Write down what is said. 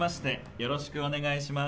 よろしくお願いします。